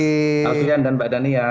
mas aulia dan mbak dania